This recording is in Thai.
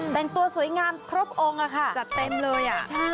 แต่งตัวสวยงามครบองค์ค่ะจัดเต็มเลย